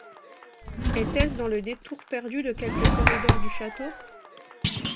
Était-ce dans le détour perdu de quelque corridor du château?